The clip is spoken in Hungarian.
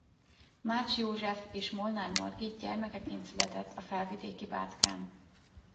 Mács József és Molnár Margit gyermekeként született a felvidéki Bátkán.